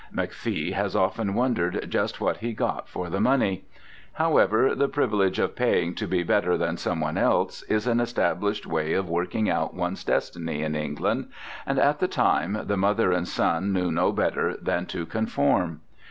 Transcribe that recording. McFee has often wondered just what he got for the money. However, the privilege of paying to be better than someone else is an established way of working out one's destiny in England, and at the time the mother and son knew no better than to conform.